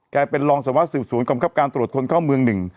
กลายเป็นลองสามารถสืบสวนกรรมครับการตรวจคนเข้าเมืองหนึ่ง